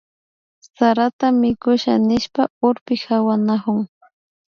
Sarata mikusha nishpa urpikuna pawanakun